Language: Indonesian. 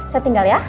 saya tinggal ya